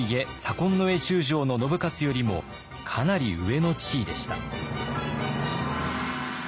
衛中将の信雄よりもかなり上の地位でした。